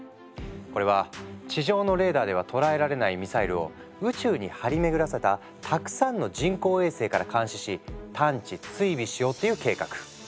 これは地上のレーダーでは捉えられないミサイルを宇宙に張り巡らせたたくさんの人工衛星から監視し探知追尾しようっていう計画。